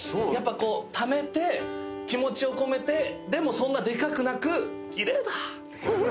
こうためて気持ちを込めてでもそんなでかくなくキレイだ。